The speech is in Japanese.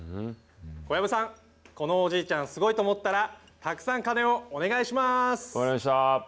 小籔さん、このおじいちゃん、すごいと思ったら、たくさん鐘をお願いします。